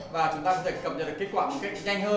và chúng ta có thể cập nhật được kết quả một cách nhanh hơn